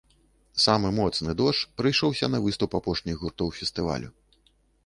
Самы моцны дождж прыйшоўся на выступ апошніх гуртоў фестывалю.